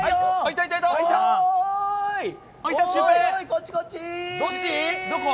こっちこっち！